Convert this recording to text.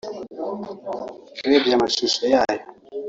urebye amashusho yayo